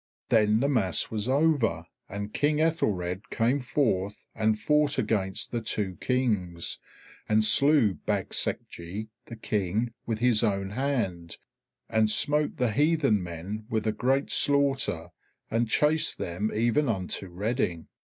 Then the mass was over, and King Aethelred came forth and fought against the two Kings, and slew Bagsecg the King with his own hand and smote the heathen men with a great slaughter and chased them even unto Reading.